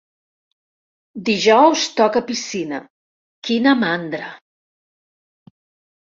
Dijous toca piscina; quina mandra.